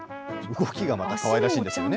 動きがまたかわいらしいんですよね。